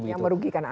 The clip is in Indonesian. yang merugikan anak